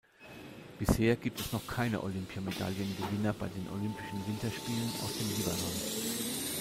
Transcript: Bisher gibt es noch keine Olympiamedaillengewinner bei den Olympischen Winterspielen aus dem Libanon.